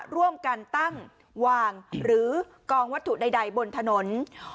ร่วมกันตั้งวางหรือกองวัตถุใดบนถนน